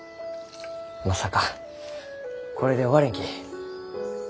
まさかこれで終われんき。